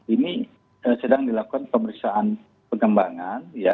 ini sedang dilakukan pemeriksaan pengembangan